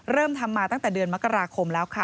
เริ่มทำมาตั้งแต่เดือนมกราคมแล้วค่ะ